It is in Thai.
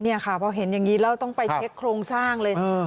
นี่ค่ะพอเห็นอย่างนี้แล้วต้องไปเช็คโครงสร้างเลยนะ